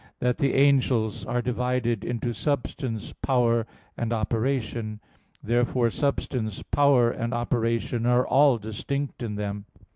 xi) that "the angels are divided into substance, power, and operation." Therefore substance, power, and operation, are all distinct in them.